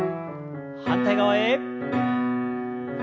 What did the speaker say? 反対側へ。